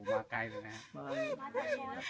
ได้ทำได้ทำ